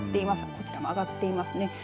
こちらも上がっていますね。